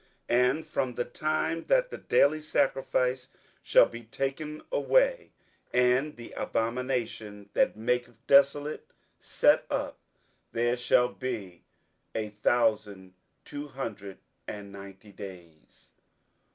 27:012:011 And from the time that the daily sacrifice shall be taken away, and the abomination that maketh desolate set up, there shall be a thousand two hundred and ninety days.